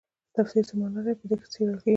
تفسیر څه مانا لري په دې کې څیړل کیږي.